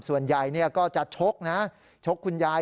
ส่วนยายก็จะชกนะฮะชกคุณยาย